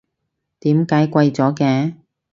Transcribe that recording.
點解貴咗嘅？